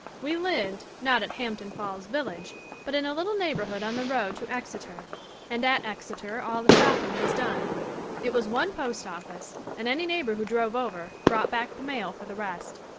We lived, not at Hampton Falls village, but in a little 'neighbor hood' on the road to Exeter, and at Exeter all the shopping was done. It was one postoffice, and any neighbor who drove over brought back the mail for the rest.